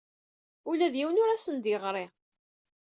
Ula d yiwen ur asen-d-yeɣri.